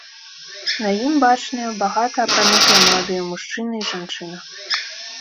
На ім бачныя багата апранутыя маладыя мужчына і жанчына.